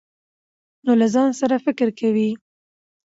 نو له ځان سره فکر کوي ،